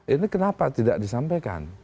ini kenapa tidak disampaikan